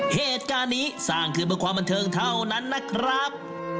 เหตุการณ์นี้สร้างขึ้นเพื่อความบันเทิงเท่านั้นนะครับ